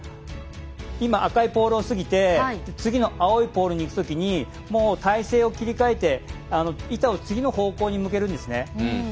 今、赤いポールを過ぎて次の青いホールにいくときに体勢を切り替えて板を次の方向に向けるんですね。